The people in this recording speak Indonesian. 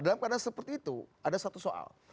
dalam keadaan seperti itu ada satu soal